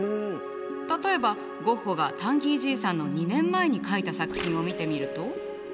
例えばゴッホが「タンギー爺さん」の２年前に描いた作品を見てみると。